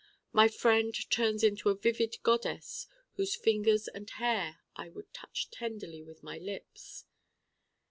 My Friend turns into a vivid goddess whose fingers and hair I would touch tenderly with my lips.